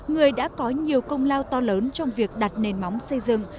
người đã có nhiều công lao to lớn trong việc đặt nền móng xây dựng